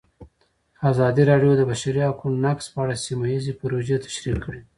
ازادي راډیو د د بشري حقونو نقض په اړه سیمه ییزې پروژې تشریح کړې.